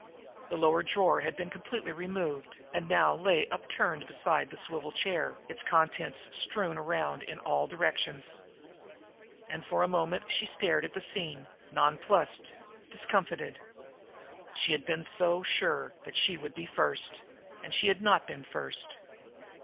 The lower drawer had been completely removed, and now lay upturned beside the swivel chair, its contents strewn around in all directions. And for a moment she stared at the scene, nonplused, discomfited. She had been so sure that she would be first and she had not been first.